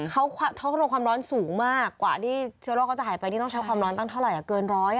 เขาโดนความร้อนสูงมากกว่าที่เชื้อโรคเขาจะหายไปนี่ต้องใช้ความร้อนตั้งเท่าไหร่เกินร้อย